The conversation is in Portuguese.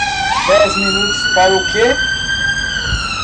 Dez minutos para o que?